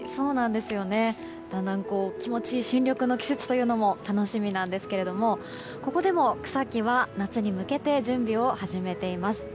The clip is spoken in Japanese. だんだん気持ちいい新緑の季節というのも楽しみなんですけどもここでも草木は夏に向けて準備を始めています。